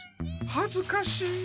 はずかしい！